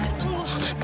edo itu nggak benar